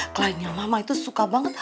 kliennya mama itu suka banget